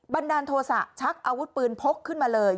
บันดาลโทษะชักอาวุธปืนพกขึ้นมาเลย